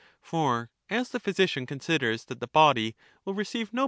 357 For as the physician considers that the body will receive no Sophist.